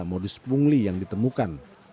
modus pungli yang ditemukan